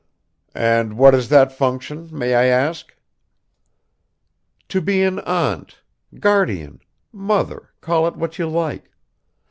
"And what is that function, may I ask?" "To be an aunt, guardian, mother call it what you like.